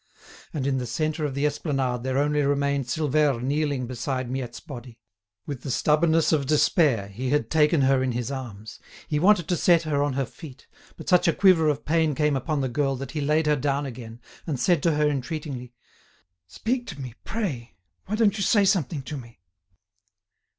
And in the centre of the esplanade there only remained Silvère kneeling beside Miette's body. With the stubbornness of despair, he had taken her in his arms. He wanted to set her on her feet, but such a quiver of pain came upon the girl that he laid her down again, and said to her entreatingly: "Speak to me, pray. Why don't you say something to me?"